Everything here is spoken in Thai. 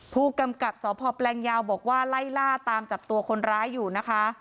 ผู้กำกับสพแปลงยาวบอกว่าไล่ล่าตามจับตัวคนร้ายอยู่นะคะ